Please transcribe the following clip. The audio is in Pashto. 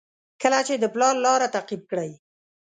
کله چې د پلار لاره تعقیب کړئ.